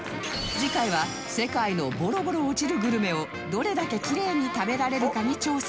次回は世界のボロボロ落ちるグルメをどれだけきれいに食べられるかに挑戦！